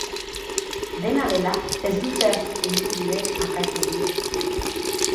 Dena dela, ez du zehaztu zeintzuk diren akats horiek.